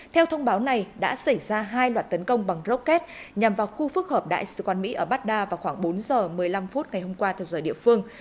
theo thông báo này đã xảy ra hai loạt tấn công bằng rocket nhằm vào khu phức hợp đại sứ quán mỹ ở baghdad vào khoảng bốn giờ một mươi năm phút ngày hôm qua theo giờ địa phương